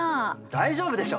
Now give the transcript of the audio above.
大丈夫でしょ！